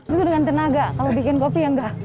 itu dengan tenaga kalau bikin kopi ya enggak